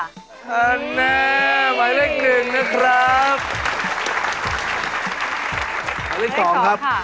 อันนี้หมายเลขหนึ่งนะครับ